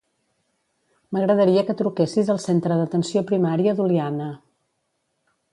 M'agradaria que truquessis al centre d'atenció primària d'Oliana.